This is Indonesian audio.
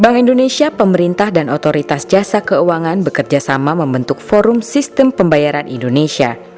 bank indonesia pemerintah dan otoritas jasa keuangan bekerjasama membentuk forum sistem pembayaran indonesia